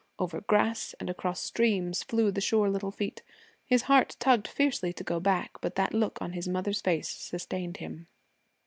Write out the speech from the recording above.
Over grass and across streams flew the sure little feet. His heart tugged fiercely to go back, but that look in his mother's face sustained him.